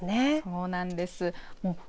そうなんです。